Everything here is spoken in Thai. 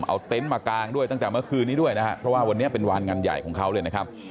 เอาเต็นต์มากางด้วยตั้งแต่เมื่อคืนนี้ด้วยนะครับเพราะว่าวันนี้เป็นวานงานใหญ่ของเขาเลยนะครับ